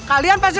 aduh aduh aduh